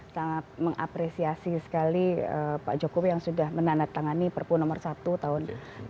sangat mengapresiasi sekali pak jokowi yang sudah menandatangani perpu nomor satu tahun dua ribu dua puluh